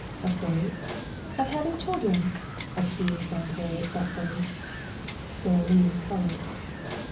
"Afraid?" "Of having children," accused Aunt Harriet fretfully. Sara Lee colored.